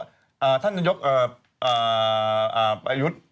แต่ท่านนายกอายุด